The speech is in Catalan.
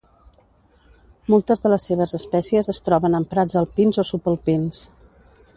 Moltes de les seves espècies es troben en prats alpins o subalpins.